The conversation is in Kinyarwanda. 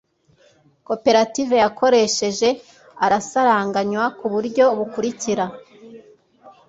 koperative yakoresheje, asaranganywa ku buryo bukurikira